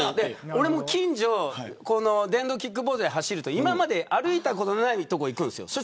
俺も近所を電動キックボードで走ると今まで歩いたことない所に行くんです。